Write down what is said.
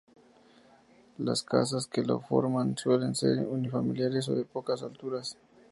Las casas que lo forman suelen ser unifamiliares o de pocas alturas.